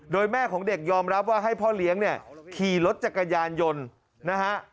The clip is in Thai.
โดยแม่ของเด็กยอมรับว่าให้พ่อเลี้ยงเนี่ยขี่รถจักรยานยนต์นะฮะ